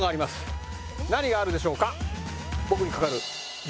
何があるでしょうか？